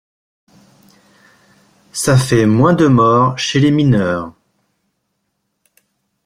ça fait moins de morts chez les mineurs.